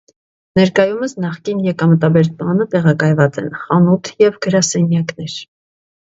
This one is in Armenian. Ներկայումս նախկին եկամտաբեր տանը տեղակայված են խանութ և գրասենյակներ։